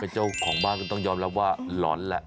เจ้าของบ้านก็ต้องยอมรับว่าหลอนแหละ